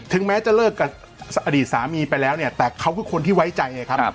แม้จะเลิกกับอดีตสามีไปแล้วเนี่ยแต่เขาคือคนที่ไว้ใจไงครับ